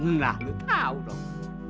nah lu tahu dong